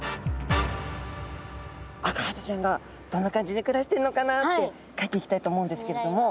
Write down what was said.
アカハタちゃんがどんな感じで暮らしているのかなって描いていきたいと思うんですけれども。